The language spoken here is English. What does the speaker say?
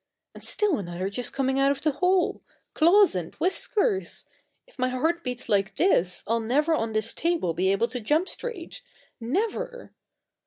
And still another just coming out of the hole! Claws and Whiskers! If my heart beats like this I'll never on this table be able to jump straight never.